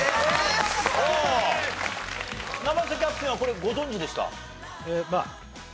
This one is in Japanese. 生瀬キャプテンはこれご存じでした？